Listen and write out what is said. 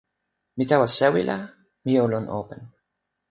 mi tawa sewi la, mi o lon open.